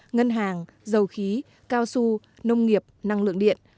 ngân hàng dầu khí cao su nông nghiệp năng lượng điện